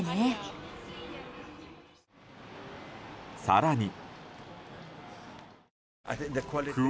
更に。